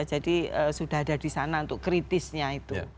jadi sudah ada disana untuk kritisnya itu